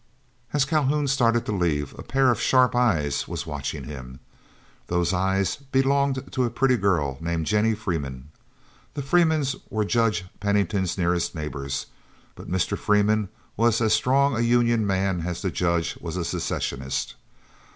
As Calhoun started to leave, a pair of sharp eyes was watching him. Those eyes belonged to a pretty girl named Jennie Freeman. The Freemans were Judge Pennington's nearest neighbors, but Mr. Freeman was as strong a Union man as the Judge was a Secessionist.